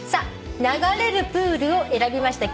「流れるプール」を選びました